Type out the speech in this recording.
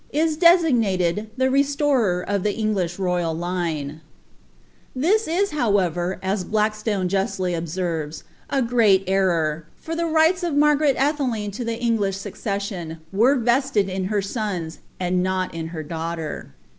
is desiffnated " the restorer of the EiigHsli " 'u iftie," This is, however, ns Blackslone justly observes, « a great '', for tJie rights of Margaret Aiheling to the English succession were ' '1' ^ in ber sons, and not in her daughter."